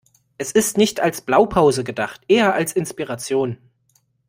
Es ist nicht als Blaupause gedacht, eher als Inspiration.